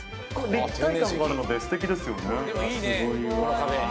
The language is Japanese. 立体感があるのでステキですよね。